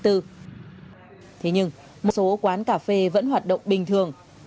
thế nhưng một số quán cà phê vẫn hoạt động bình thường